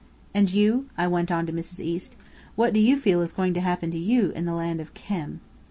"And you?" I went on to Mrs. East. "What do you feel is going to happen to you in the land of Khem?"